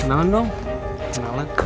kenalan dong kenalan